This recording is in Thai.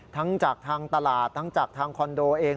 ทั้งจากทางตลาดทั้งจากทางคอนโดเอง